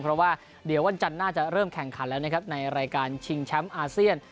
เพราะว่าเดี๋ยววันจันทร์น่าจะเริ่มแข่งขันแล้วนะครับในรายการชิงแชมป์อาเซียน